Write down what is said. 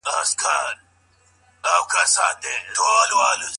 د سونوګرافي ماشین څه ښیي؟